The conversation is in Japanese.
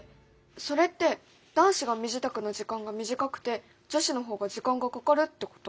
それって男子が身支度の時間が短くて女子の方が時間がかかるってこと？